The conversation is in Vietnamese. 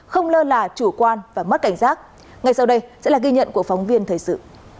không lơ là chủ quan và mất cảnh giác ngay sau đây sẽ là ghi nhận của phóng viên thời sự